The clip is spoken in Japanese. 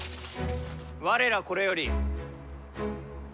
我らこれより本領